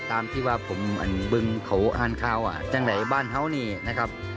ตามที่ว่าผมเบื้องเขาอ้านเขาจากหลายน้ำบ้านเขานะครับ